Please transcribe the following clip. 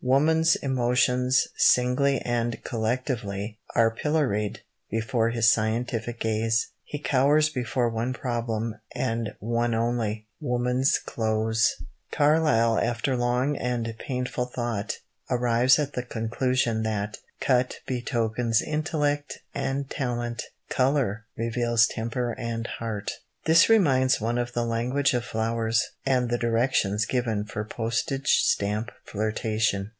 Woman's emotions, singly and collectively, are pilloried before his scientific gaze. He cowers before one problem, and one only woman's clothes! Carlyle, after long and painful thought, arrives at the conclusion that "cut betokens intellect and talent; colour reveals temper and heart." This reminds one of the language of flowers, and the directions given for postage stamp flirtation.